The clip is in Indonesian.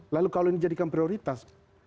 lalu kalau ini jadikan prioritas